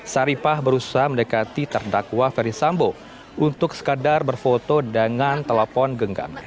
saripah berusaha mendekati terdakwa ferry sambo untuk sekadar berfoto dengan telepon genggam